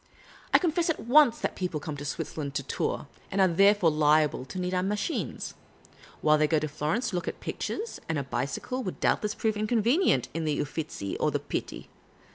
I confess at once that people come to Switzerland to tour, and are therefore liable to need our machines ; while they go to Florence to look at pictures, and a bicj'cle would doubtless prove • inconvenient in the Uffizi or the Pitti.